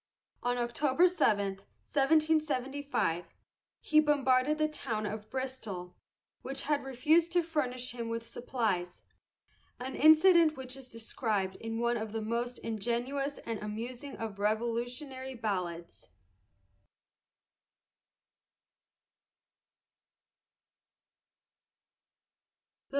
On October 7, 1775, he bombarded the town of Bristol, which had refused to furnish him with supplies, an incident which is described in one of the most ingenuous and amusing of Revolutionary ballads.